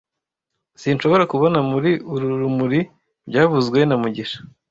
Sinshobora kubona muri uru rumuri byavuzwe na mugisha